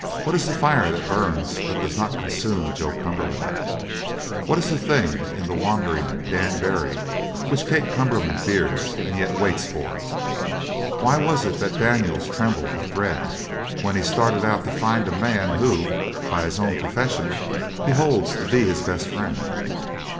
What is the fire that burns but does not consume Joe Cumberland? What is the thing in the wandering Dan Barry which Kate Cumberland fears and yet waits for? Why was it that Daniels trembled with dread when he started out to find a man who, by his own profession, he holds to be his best friend?